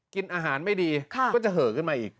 กินอาหารไม่ดีก็จะเหอะขึ้นมาอีก